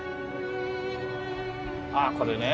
ああこれね。